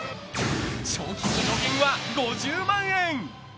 賞金の上限は５０万円！